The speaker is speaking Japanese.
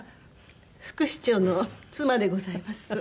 副市長の妻でございます。